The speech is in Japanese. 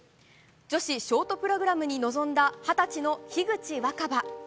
女子ショートプログラムに臨んだ二十歳の樋口新葉。